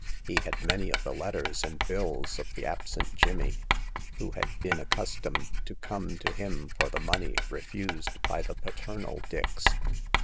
He had many of the letters and bills of the absent Jimmy, who had been accustomed to come to him for the money refused by the paternal Dix.